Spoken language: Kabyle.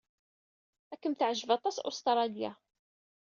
Ad kem-teɛjeb aṭas Ustṛalya.